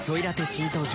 新登場